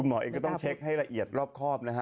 หมอเองก็ต้องเช็คให้ละเอียดรอบครอบนะฮะ